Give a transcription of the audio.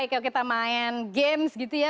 kalau kita main games gitu ya